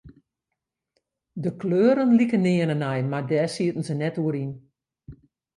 De kleuren liken nearne nei, mar dêr sieten se net oer yn.